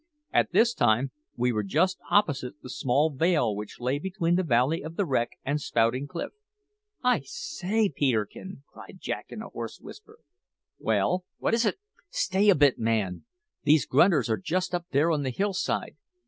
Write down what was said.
At this time we were just opposite the small vale which lay between the Valley of the Wreck and Spouting Cliff. "I say, Peterkin!" cried Jack in a hoarse whisper. "Well, what is't?" "Stay a bit, man! These grunters are just up there on the hillside.